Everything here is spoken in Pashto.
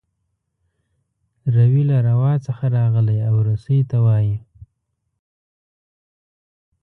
روي له روا څخه راغلی او رسۍ ته وايي.